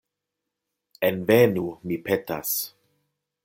Envenu, mi petas.